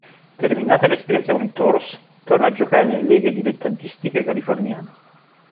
Terminata l'esperienza con i "Toros" torna a giocare nelle leghe dilettantistiche californiane.